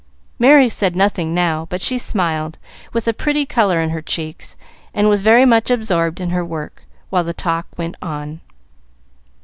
Merry said nothing now, but she smiled, with a pretty color in her cheeks, and was very much absorbed in her work, while the talk went on.